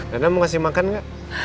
rena mau kasih makan gak